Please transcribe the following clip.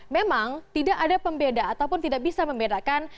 memang tidak ada pembeda ataupun tidak bisa membedakan